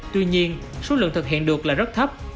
tuy nhiên số lượng thực hiện được là rất thấp